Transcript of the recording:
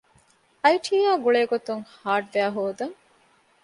އައިޓީއާ ގުޅޭގޮތުން ހާރޑްވެއަރ ހޯދަން